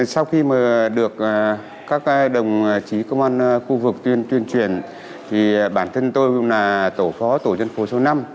sau khi được các đồng chí công an khu vực tuyên truyền thì bản thân tôi cũng là tổ phó tổ dân phố số năm